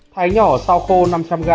thái nhỏ sau khô năm trăm linh g